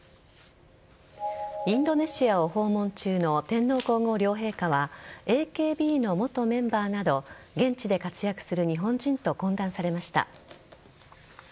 インドネシアを訪問中の天皇皇后両陛下はＡＫＢの元メンバーなど現地で活躍する日本人と懇談されました。